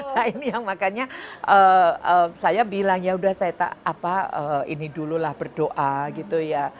nah ini yang makanya saya bilang ya udah saya ini dulu lah berdoa gitu ya